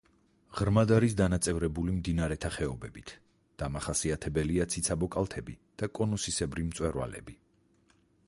ღრმად არის დანაწევრებული მდინარეთა ხეობებით, დამახასიათებელია ციცაბო კალთები და კონუსისებრი მწვერვალები.